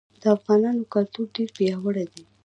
د افغانانو کلتور ډير پیاوړی دی.